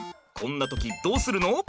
こんな時どうするの？